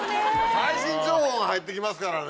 最新情報が入ってきますからね。